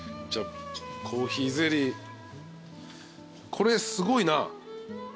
コーヒーゼリーこれすごいな。